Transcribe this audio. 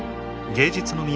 芸術の都